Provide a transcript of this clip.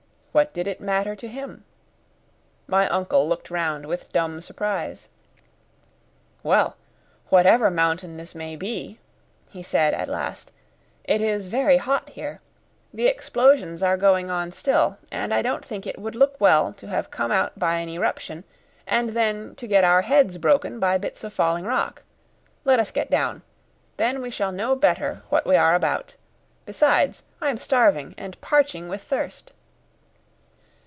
What did it matter to him? My uncle looked round with dumb surprise. "Well, whatever mountain this may be," he said at last, "it is very hot here. The explosions are going on still, and I don't think it would look well to have come out by an eruption, and then to get our heads broken by bits of falling rock. Let us get down. Then we shall know better what we are about. Besides, I am starving, and parching with thirst."